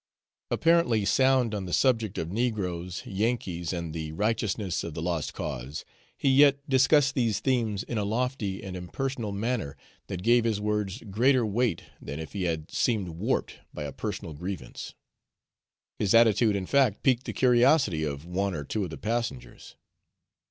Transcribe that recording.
Apparently sound on the subject of negroes, Yankees, and the righteousness of the lost cause, he yet discussed these themes in a lofty and impersonal manner that gave his words greater weight than if he had seemed warped by a personal grievance. His attitude, in fact, piqued the curiosity of one or two of the passengers.